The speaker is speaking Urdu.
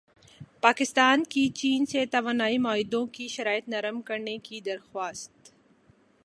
پاکستان کی چین سے توانائی معاہدوں کی شرائط نرم کرنے کی درخواست